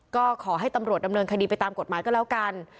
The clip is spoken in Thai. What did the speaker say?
ก็ขอให้ตำรวจดำเนินคดีไปตามกฎหมายก็แล้วกัน